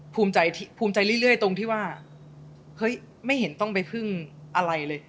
ภูมิใจเรื่อยตรงที่ว่าเฮ้ยไม่เห็นต้องไปพึ่งอะไรเลย